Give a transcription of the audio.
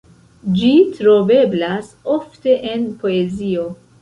Ĝi troveblas ofte en poezio.